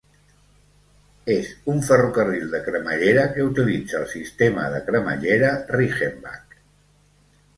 És un ferrocarril de cremallera que utilitza el sistema de cremallera Riggenbach.